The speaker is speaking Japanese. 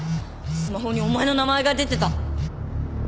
スマホにお前の名前が出てた。